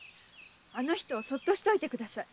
あの人をそっとしておいてください。